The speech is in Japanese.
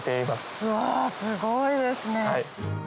うわすごいですね。